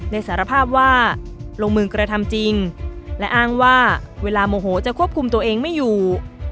สารภาพว่าลงมือกระทำจริงและอ้างว่าเวลาโมโหจะควบคุมตัวเองไม่อยู่